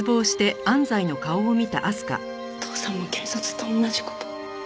お父さんも警察と同じ事。